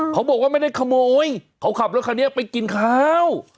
เขาบอกว่าไม่ได้ขโมยเขาขับรถคันนี้ไปกินข้าว